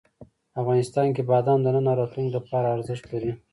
افغانستان کې بادام د نن او راتلونکي لپاره ارزښت لري.